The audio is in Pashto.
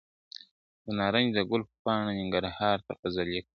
د نارنج د ګل پر پاڼو، ننګرهار ته غزل لیکم !.